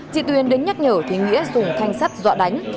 chị tuyền đến nhắc nhở thì nghĩa dùng thanh sắt dọa đánh